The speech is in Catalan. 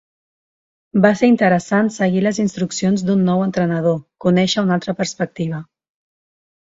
Va ser interessant seguir les instruccions d’un nou entrenador, conèixer una altra perspectiva.